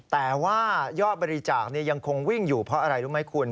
แต่ว่ายอดบริจาคยังคงวิ่งอยู่เพราะอะไรรู้ไหมคุณ